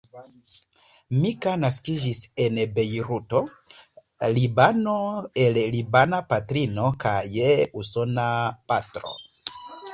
Mika naskiĝis en Bejruto, Libano el libana patrino kaj usona patro.